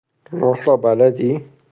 راه را بلدی؟